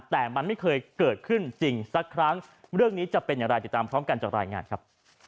แต่มันไม่เคยเกิดขึ้นจริงสักครั้งเรื่องนี้จะเป็นอย่างไรติดตามพร้อมกันจากรายงานครับ